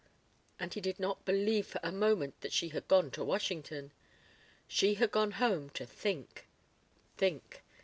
And he did not believe for a moment that she had gone to Washington. She had gone home to think think.